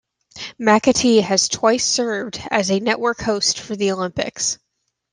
Macatee has twice served as a network host for the Olympics.